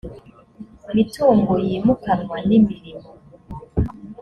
mitungo yimukanwa n imirimo